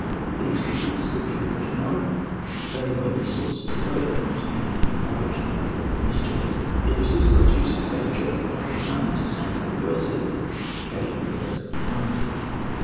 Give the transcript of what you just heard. These were truths that the people ought to know; for they were the source of their burthens, and the origin of all the mischief. It was this profuse expenditure of the public money, to say no worse of it, that occasioned the present calamities.